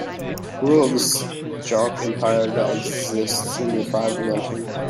Ruler of the Jark Empire, that exists in the five dimensions.